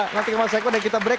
nanti ke mas eko dan kita break